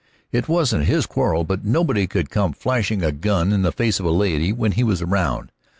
It wasn't his quarrel, but nobody could come flashing a gun in the face of a lady when he was around.